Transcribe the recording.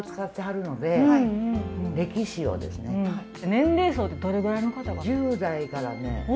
年齢層ってどれぐらいの方が？